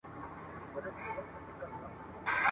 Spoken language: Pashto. په هغه دم له بازاره وې راغلي ..